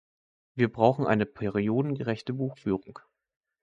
Wir brauchen eine periodengerechte Buchführung.